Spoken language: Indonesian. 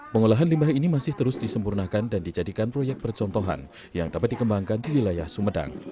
pengolahan limbah ini masih terus disempurnakan dan dijadikan proyek percontohan yang dapat dikembangkan di wilayah sumedang